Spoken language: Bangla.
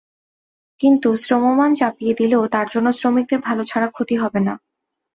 কিন্তু শ্রমমান চাপিয়ে দিলেও তার জন্য শ্রমিকদের ভালো ছাড়া ক্ষতি হবে না।